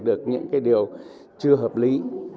được những cái điều chưa hợp lý